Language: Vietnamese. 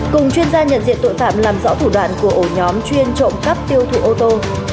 cùng chuyên gia nhận diện tội phạm làm rõ thủ đoạn của ổ nhóm chuyên trộm cắp tiêu thụ ô tô